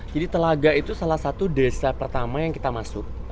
jadi telaga itu salah satu desa pertama yang kita masuk